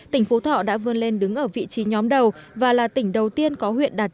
tỉnh phú thọ đã vươn lên đứng ở vị trí nhóm đầu và là tỉnh đầu tiên có huyện đạt